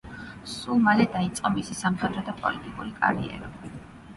სულ მალე კი დაიწყო მისი სამხედრო და პოლიტიკური კარიერა.